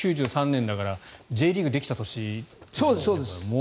９３年だからＪリーグできた年ですね。